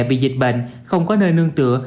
bị dịch bệnh không có nơi nương tựa